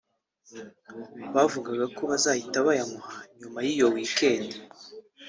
bavugaga ko bazahita bayamuha nyuma y’iyo weekend